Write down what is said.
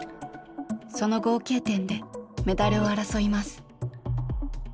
その合計点でメダルを争います。